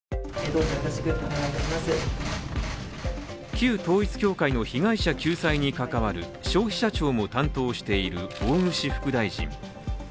旧統一教会の被害者救済に関わる消費者庁も担当している大串副大臣。